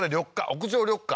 屋上緑化？